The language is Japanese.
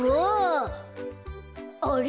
あれ？